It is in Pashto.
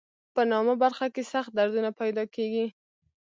په نامه برخه کې سخت دردونه پیدا کېږي.